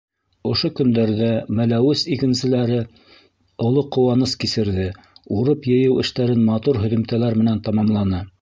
Ошо көндәрҙә Мәләүез игенселәре оло ҡыуаныс кисерҙе — урып йыйыу эштәрен матур һөҙөмтәләр менән тамамланы.